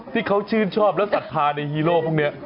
ที่เขาชื่นชอบและศรัทธาในฮีโร่พวกนี้